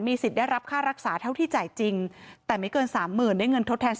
มีสิทธิ์ได้รับค่ารักษาเท่าที่จ่ายจริงแต่ไม่เกินสามหมื่น